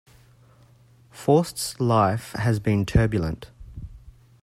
Forst's life has been turbulent.